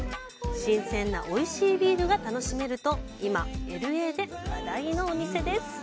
新鮮なおいしいビールが楽しめると、今ＬＡで話題のお店です。